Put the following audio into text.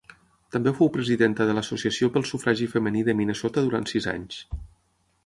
També fou presidenta de l'Associació pel Sufragi Femení de Minnesota durant sis anys.